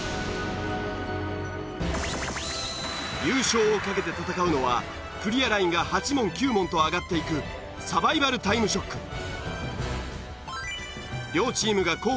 優勝をかけて戦うのはクリアラインが８問９問と上がっていくサバイバルタイムショック。